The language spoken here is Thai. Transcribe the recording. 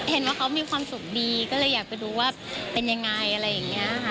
เห็นว่าเขามีความสุขดีก็เลยอยากไปดูว่าเป็นอย่างไร